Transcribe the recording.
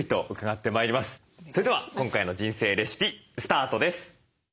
それでは今回の「人生レシピ」スタートです。